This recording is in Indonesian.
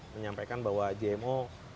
menyampaikan bahwa gmo